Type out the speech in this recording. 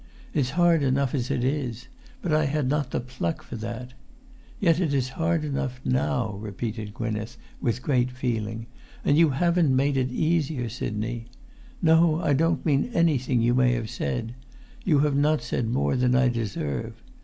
It's hard enough as it is; but I had not the pluck for that. Yet it is hard enough now," repeated Gwynneth, with great feeling; "and you haven't made it easier, Sidney. No, I don't mean anything you may have said; you have not said more than I deserve.